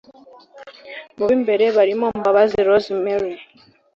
Mu b'imbere barimo Mbabazi Rose Mary